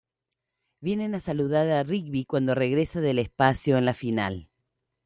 Vienen a saludar a Rigby cuando regresa del espacio en la final.